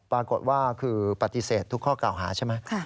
ปรากฏว่าคือปฏิเสธทุกข้อกล่าวหาใช่ไหม